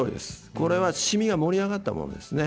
これはシミが盛り上がったものですね。